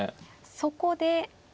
そこで。